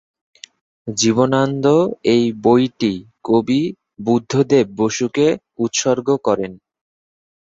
জীবনানন্দ এই বইটি কবি বুদ্ধদেব বসুকে উৎসর্গ করেন।